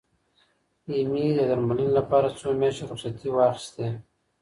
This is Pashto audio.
ایمي د درملنې لپاره څو میاشتې رخصتي واخستې.